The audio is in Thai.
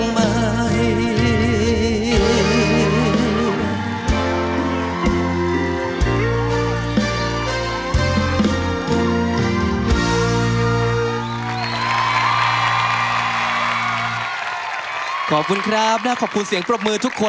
ถ้าหอบรักมาเพื่อหลวงแม่พุ่งพวงไปล่วงที่อื่น